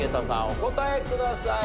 お答えください。